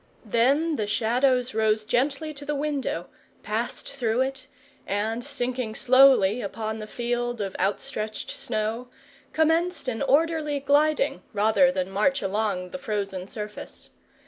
Then the Shadows rose gently to the window, passed through it, and sinking slowing upon the field of outstretched snow, commenced an orderly gliding rather than march along the frozen surface.